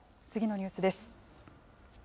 次のニュースです。